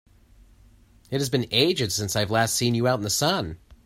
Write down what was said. It has been ages since I've last seen you out in the sun!